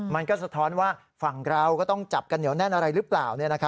มันก็สะท้อนว่าฝั่งเราก็ต้องจับกันเหนียวแน่นอะไรหรือเปล่า